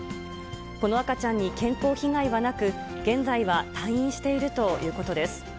この赤ちゃんに健康被害はなく、現在は退院しているということです。